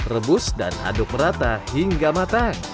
rebus dan aduk merata hingga matang